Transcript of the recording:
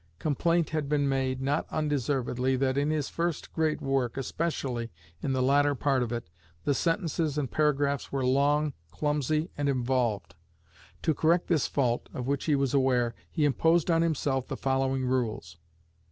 Complaint had been made, not undeservedly, that in his first great work, especially in the latter part of it, the sentences and paragraphs were long, clumsy, and involved. To correct this fault, of which he was aware, he imposed on himself the following rules.